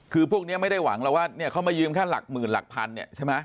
คือพวกนี้ไม่ได้หวังแล้วว่าเนี่ยเขามายืมแค่หลักหมื่นหลักพันเนี่ยใช่ไหม